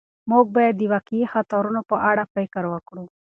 موږ باید د واقعي خطرونو په اړه فکر وکړو.